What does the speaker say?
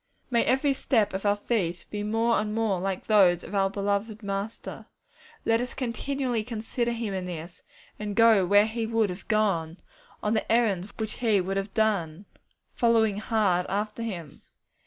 May every step of our feet be more and more like those of our beloved Master. Let us continually consider Him in this, and go where He would have gone, on the errands which He would have done, 'following hard' after Him.